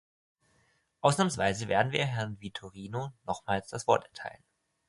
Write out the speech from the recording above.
Ausnahmsweise werden wir Herrn Vitorino nochmals das Wort erteilen.